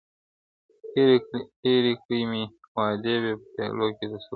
هیري کړي مي وعدې وې په پیالو کي د سرو میو.